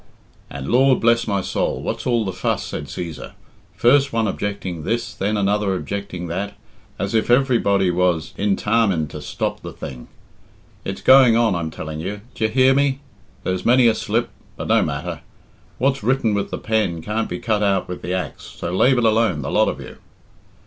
"And Lord bless my soul, what's all the fuss?" said Cæsar. "First one objecting this, then another objecting that, as if everybody was intarmined to stop the thing. It's going on, I'm telling you; d'ye hear me? There's many a slip but no matter. What's written with the pen can't be cut out with the axe, so lave it alone, the lot of you."